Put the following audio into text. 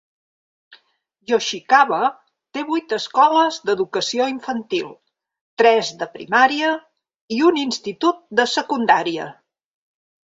Yoshikawa té vuit escoles d'educació infantil, tres de primària i un institut de secundària.